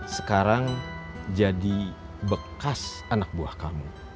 sekarang jadi bekas anak buah kamu